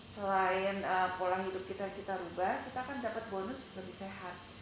selain pola hidup kita kita rubah kita akan dapat bonus lebih sehat